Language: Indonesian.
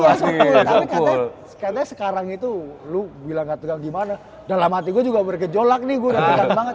tapi katanya sekarang itu lu bilang gak tegang gimana dalam hati gue juga bergejolak nih gue udah tegang banget